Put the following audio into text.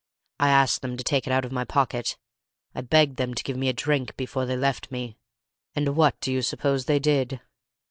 I asked them to take it out of my pocket. I begged them to give me a drink before they left me. And what do you suppose they did?"